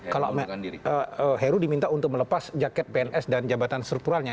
kalau heru diminta untuk melepas jaket pns dan jabatan strukturalnya